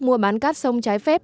mua bán cát sông trái phép